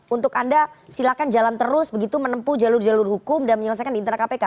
untuk anda silakan jalan terus begitu menempuh jalur jalur hukum dan menyelesaikan di internal kpk